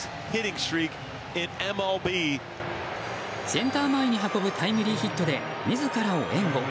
センター前に運ぶタイムリーヒットで自らを援護。